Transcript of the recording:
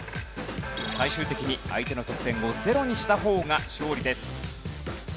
最終的に相手の得点をゼロにした方が勝利です。